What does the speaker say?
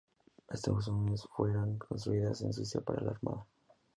Estas unidades fueron construidas en Suecia para la Armada.